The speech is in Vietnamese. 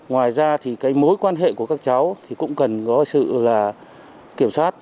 ngoài ra thì cái mối quan hệ của các cháu thì cũng cần có sự là kiểm soát